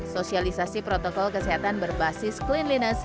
sosialisasi protokol kesehatan berbasis cleanliness